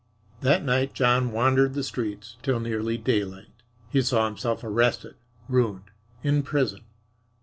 That night John wandered the streets till nearly daylight. He saw himself arrested, ruined, in prison.